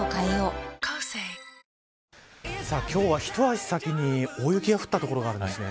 今日は一足先に大雪が降った所があるんですね。